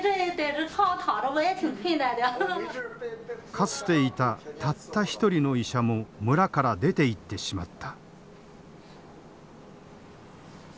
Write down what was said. かつていたたった一人の医者も村から出ていってしまった。